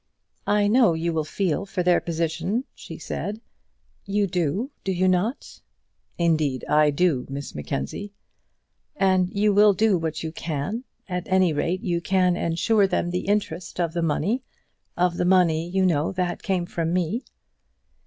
"I know you will feel for their position," she said. "You do; do you not?" "Indeed I do, Miss Mackenzie." "And you will do what you can. You can at any rate ensure them the interest of the money of the money you know that came from me."